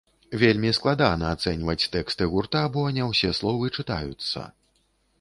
Вельмі складана ацэньваць тэксты гурта, бо не ўсе словы чытаюцца.